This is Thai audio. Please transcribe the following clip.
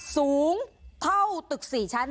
สูงเท่าตึก๔ชั้น